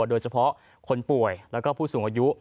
โดยเฉพาะคนป่วยแล้วก็ผู้สูงอายุ